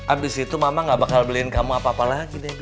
abis itu mama gak bakal beliin kamu apa apa lagi deh